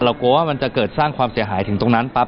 กลัวว่ามันจะเกิดสร้างความเสียหายถึงตรงนั้นปั๊